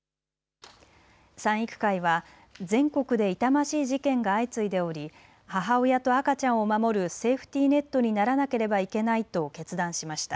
賛育会は全国で痛ましい事件が相次いでおり母親と赤ちゃんを守るセーフティーネットにならなければいけないと決断しました。